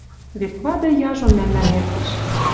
Вет вады яжон мӓмнӓн эртӹш.